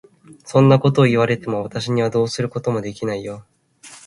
そんなことを言われても、私にはどうすることもできないよ。